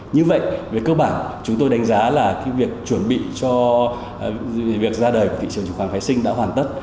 như vậy về cơ bản chúng tôi đánh giá là việc chuẩn bị cho việc ra đời của thị trường chứng khoán phái sinh đã hoàn tất